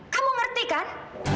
kamu ngerti kan